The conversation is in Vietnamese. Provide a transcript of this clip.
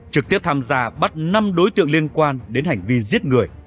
trực tiếp tham gia bắt năm đối tượng liên quan đến hành vi giết người